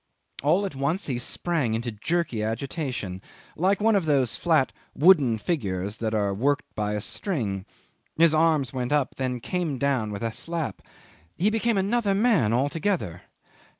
All at once he sprang into jerky agitation, like one of those flat wooden figures that are worked by a string. His arms went up, then came down with a slap. He became another man altogether.